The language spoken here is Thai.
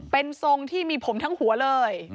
เป็นทรงที่มีผมทั้งหัวเลย